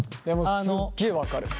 すっげえ分かる。